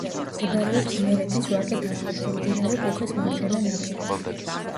მდებარეობს იმერეთის ვაკე-დაბლობზე, მდინარე კუხის მარჯვენა ნაპირას.